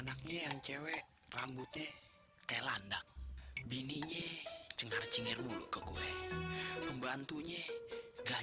sampai jumpa di video selanjutnya